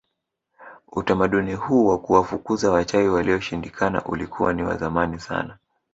Utamaduni huu wa kuwafukuza wachawi walioshindikana ulikuwa ni wa zamani sana